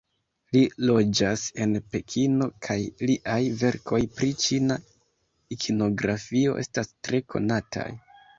Li loĝas en Pekino kaj liaj verkoj pri ĉina ikonografio estas tre konataj.